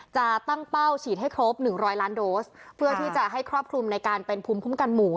จะตั้งเป้าฉีดให้ครบ๑๐๐ล้านโดสเพื่อที่จะให้ครอบคลุมในการเป็นภูมิคุ้มกันหมู่